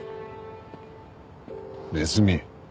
ネズミ。